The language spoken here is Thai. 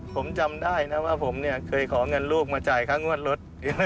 ผมจำได้นะว่าผมเคยขอเงินลูกมาจ่ายค้างว่านรถ